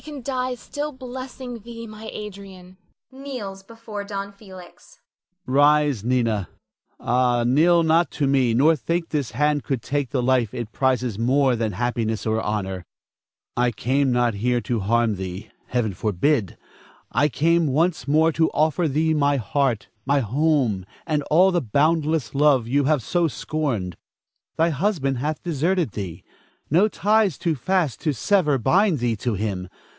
I can die still blessing thee, my Adrian [kneels before Don Felix]. Don Felix. Rise, Nina; ah, kneel not to me, nor think this hand could take the life it prizes more than happiness or honor. I came not here to harm thee; Heaven forbid! I came once more to offer thee my heart, my home, and all the boundless love you have so scorned. Thy husband hath deserted thee; no ties too fast to sever bind thee to him.